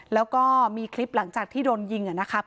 แล้วก็มีคลิปหลังจากที่โดนยิงนะครับ